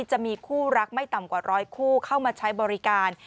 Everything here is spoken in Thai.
จะมีคู่รักไม่ต่ำกว่าร้อยคู่เข้ามาใช้บริการ